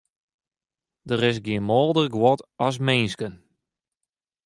Der is gjin mâlder guod as minsken.